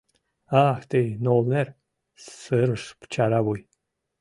— Ах тый нолнер! — сырыш чаравуй.